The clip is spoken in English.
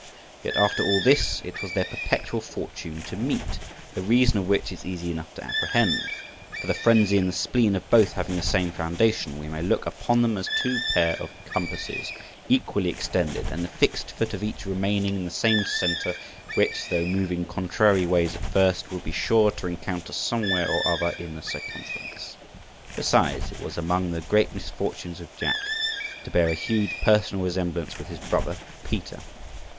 Yet, after all this, it was their perpetual fortune to meet, the reason of which is easy enough to apprehend, for the frenzy and the spleen of both having the same foundation, we may look upon them as two pair of compasses equally extended, and the fixed foot of each remaining in the same centre, which, though moving contrary ways at first, will be sure to encounter somewhere or other in the circumference. Besides, it was among the great misfortunes of Jack to bear a huge personal resemblance with his brother Peter.